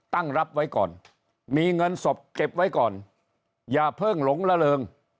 ตั้งรับไว้ก่อนมีเงินศพเก็บไว้ก่อนอย่าเพิ่งหลงละเริง